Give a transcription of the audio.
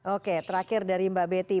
oke terakhir dari mbak betty